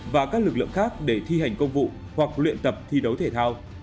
và các lực lượng khác để thi hành công vụ hoặc luyện tập thi đấu thể thao